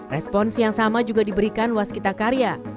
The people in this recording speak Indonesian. respons yang sama juga diberikan waskita karya